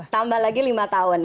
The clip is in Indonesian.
tambah lagi lima tahun